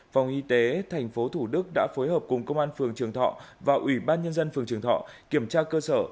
phòng y tế tp thủ đức đã phối hợp cùng công an phường trường thọ và ủy ban nhân dân phường trường thọ kiểm tra cơ sở